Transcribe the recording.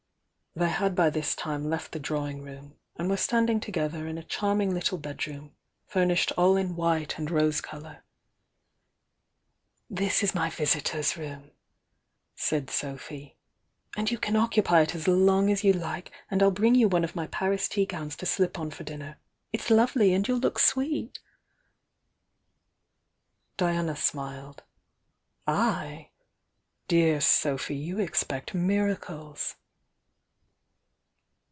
They had by this time left the drawing room, and were standing together in a charming little bed room, furnished all in white and rose colour. "This is my 'visitor's room,' said Sophy. "And you can occupy it as long as you like. And I'll bring you one of my Paris tea gowns to slip on for din ner, — it s lovely and you'll look sweet!" Diana smiled. "I! Dear Sophy, you expect miracles!"